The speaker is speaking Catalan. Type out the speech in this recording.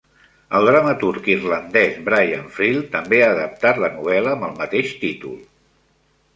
El dramaturg irlandès Brian Friel també ha adaptat la novel·la amb el mateix títol.